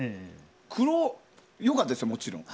黒よかったですよ、もちろん。